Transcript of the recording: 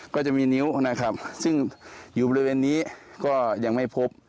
ก็จะมีนิ้วนะครับซึ่งอยู่บริเวณนี้ก็ยังไม่พบ